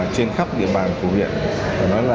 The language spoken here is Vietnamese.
trên khắp địa bàn của huyện